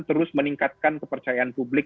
terus meningkatkan kepercayaan publik